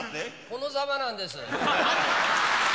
このざまなんです。